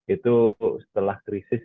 itu setelah krisis